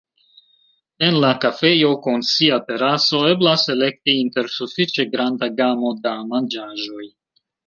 En la kafejo kun sia teraso eblas elekti inter sufiĉe granda gamo da manĝaĵoj.